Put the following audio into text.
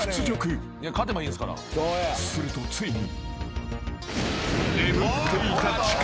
［するとついに］